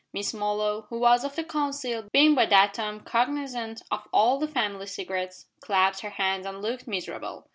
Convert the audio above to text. Miss Molloy who was of the council, being by that time cognisant of all the family secrets clasped her hands and looked miserable.